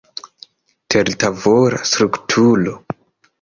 Tertavola strukturo.